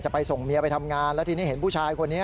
ไปส่งเมียไปทำงานแล้วทีนี้เห็นผู้ชายคนนี้